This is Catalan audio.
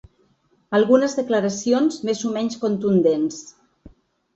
Algunes declaracions més o menys contundents.